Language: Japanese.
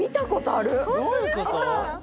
ああどういうこと？